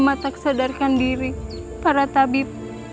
lama tak sadarkan diri para tabib